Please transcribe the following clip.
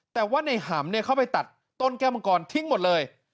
แต่ว่าในหำเข้าไปตัดต้นแก้วมังกรทิ้งหมดเลย